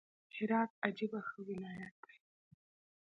هرات عجبه ښه ولايت دئ!